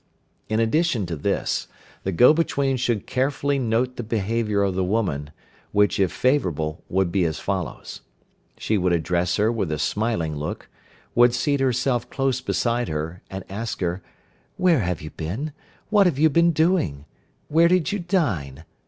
In addition to this, the go between should carefully note the behaviour of the woman, which if favourable would be as follows: She would address her with a smiling look, would seat herself close beside her, and ask her, "Where have you been? What have you been doing? Where did you dine?